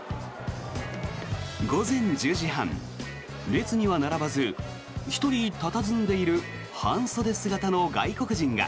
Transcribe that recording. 午前１０時半、列には並ばず１人佇んでいる半袖姿の外国人が。